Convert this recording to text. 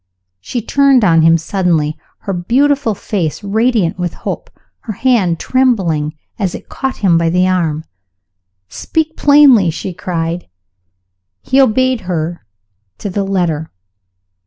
She turned on him suddenly, her beautiful face radiant with hope, her hand trembling as it caught him by the arm. "Speak plainly!" she cried. He obeyed her to the letter.